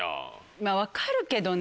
まぁ分かるけどね。